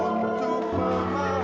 nggak mau kok bolts